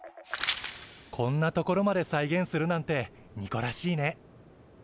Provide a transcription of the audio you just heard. こんな所まで再現するなんてニコらしいね。